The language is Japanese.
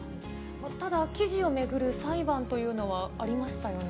ただ、記事を巡る裁判というのは、ありましたよね。